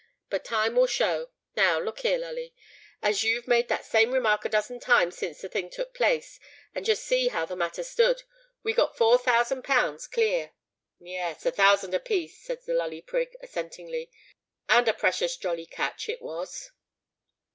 But time will show. Now look here, Lully,—as you've made that same remark a dozen times since the thing took place,—and just see how the matter stood. We got four thousand pounds clear——" "Yes—a thousand a piece," said the Lully Prig, assentingly: "and a precious jolly catch it was."